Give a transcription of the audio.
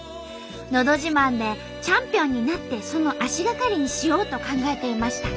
「のど自慢」でチャンピオンになってその足がかりにしようと考えていました。